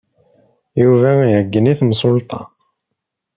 Yuba iɛeyyen i temsulta.